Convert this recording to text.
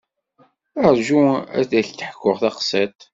Rju ad k-d-ḥkuɣ taqsiṭ.